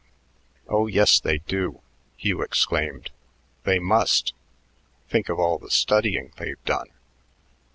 "Oh, yes, they do," Hugh exclaimed; "they must. Think of all the studying they've done."